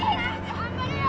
頑張れよ！